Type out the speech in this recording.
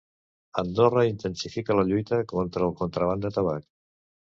Andorra intensifica la lluita contra el contraban de tabac.